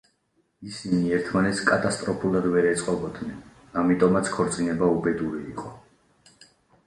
ისინი ერთმანეთს კატასტროფულად ვერ ეწყობოდნენ, ამიტომაც ქორწინება უბედური იყო.